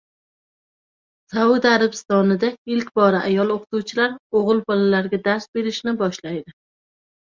Saudiya Arabistonida ilk bor ayol o‘qituvchilar o‘g‘il bolalarga dars berishni boshlaydi